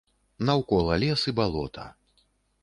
Наўкола лес і балота.